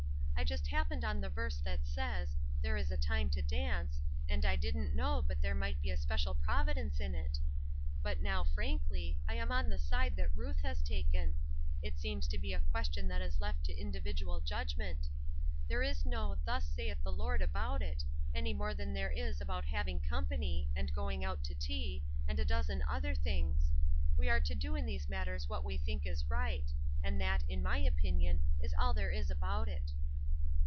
I just happened on the verse that says 'there is a time to dance,' and I didn't know but there might be a special providence in it. But now, frankly, I am on the side that Ruth has taken. It seems to be a question that is left to individual judgment. There is no 'thus saith the Lord' about it, any more than there is about having company, and going out to tea, and a dozen other things. We are to do in these matters what we think is right; and that, in my opinion, is all there is about it."